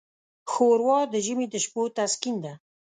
ښوروا د ژمي د شپو تسکین ده.